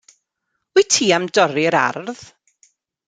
Wyt ti am dorri'r ardd?